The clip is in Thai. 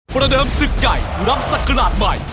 ประเดิมศึกใหญ่รับศักราชใหม่